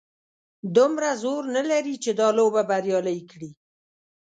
دومره زور نه لري چې دا لوبه بریالۍ کړي.